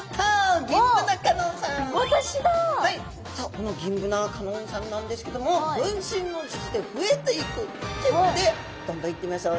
このギンブナ香音さんなんですけども分身の術で増えていくということでどんどんいってみましょう。